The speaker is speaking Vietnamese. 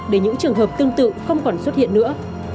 để những trường hợp tương tự không còn xuất hiện nữa